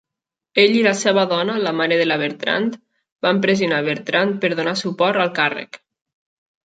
Ell i la seva dona, la mare de la Bertrande, van pressionar Bertrande per donar suport al càrrec.